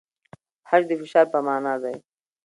خج د فشار په مانا دی؟